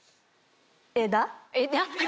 枝？